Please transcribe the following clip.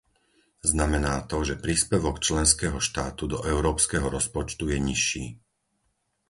Znamená to, že príspevok členského štátu do európskeho rozpočtu je nižší.